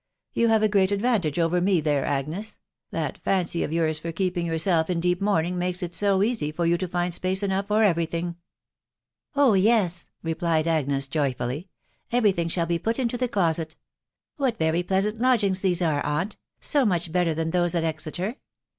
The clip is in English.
You Hove* a great advantage over rue, these, Agnes ;.... that faffey of yours for keeping yourself in deep mourning makes ic soeasy for you to find space enough for every thing." " Oh yes !" replied Agnes joyfully, te every thing shall be put into the closet. What very pleasant lodgings these are, aunt *... sot much better than those at Exeter